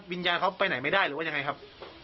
วิญญาณเขาไปไหนไม่ได้หรือว่ายังไงครับ